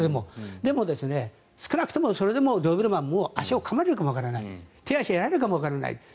でも少なくともそれでもドーベルマンは足をかまれるかもわからない手足をかまれるかもしれない。